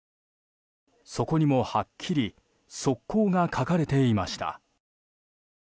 そこにもはっきり側溝が描かれていました。